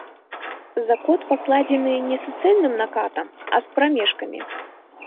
Закот пакладзены не суцэльным накатам, а з прамежкамі.